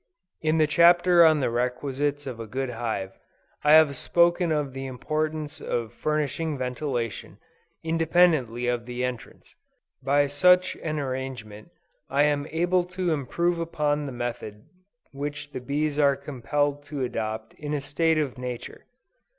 In the Chapter on the Requisites of a good hive, I have spoken of the importance of furnishing ventilation, independently of the entrance. By such an arrangement, I am able to improve upon the method which the bees are compelled to adopt in a state of nature.